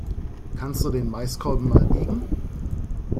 Kannst du den Maiskolben mal wiegen?